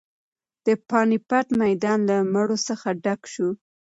د پاني پت میدان له مړو څخه ډک شو.